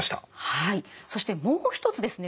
はいそしてもう一つですね